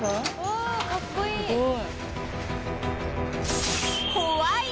わあかっこいい！